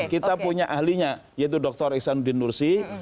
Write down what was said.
kita punya ahlinya yaitu dr iksanuddin nursi